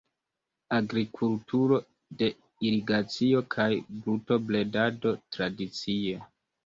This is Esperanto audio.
Agrikulturo de irigacio kaj brutobredado tradicie.